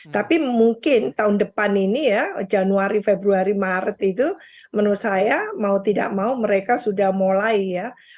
tapi mungkin tahun depan ini ya januari februari maret itu menurut saya mau tidak mau mereka sudah mulai ya